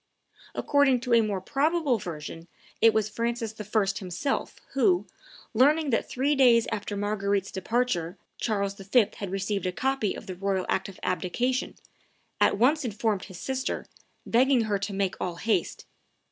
According to a more probable version, it was Francis I. himself who, learning that three days after Marguerite's departure Charles V. had received a copy of the royal act of abdication, at once informed his sister, begging her to make all haste.